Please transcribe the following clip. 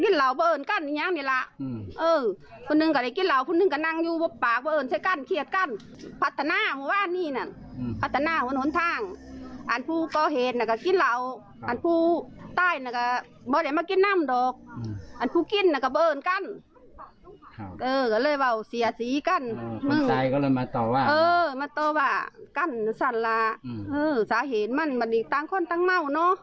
จากเห็นมันมันตามคนตามเหม้าเนอะ